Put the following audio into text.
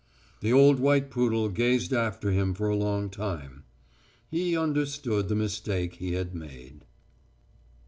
The old white poodle gazed after him for a long time. He understood the mistake he had made.